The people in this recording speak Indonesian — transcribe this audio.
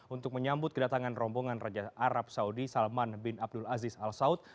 untuk menyambut kedatangan rombongan raja arab saudi salman bin abdul aziz al saud